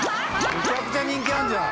むちゃくちゃ人気あるじゃん！